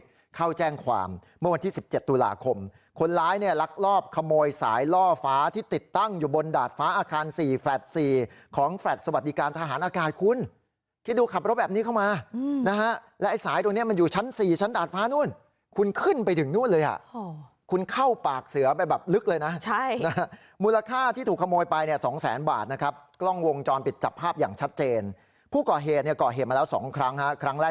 จอนปิดเข้าแจ้งความเมื่อวันที่๑๗ตุลาคมคนร้ายเนี่ยรักรอบขโมยสายล่อฟ้าที่ติดตั้งอยู่บนดาดฟ้าอาคาร๔แฟลต์๔ของแฟลต์สวัสดิการทหารอากาศคุณที่ดูขับรถแบบนี้เข้ามานะฮะและสายตรงนี้มันอยู่ชั้น๔ชั้นดาดฟ้านู้นคุณขึ้นไปถึงนู้นเลยอ่ะคุณเข้าปากเสือไปแบบลึกเลยนะใช่มูลค่าที่ถูก